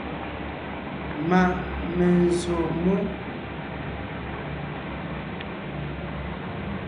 Ma’ menzsǒ mú.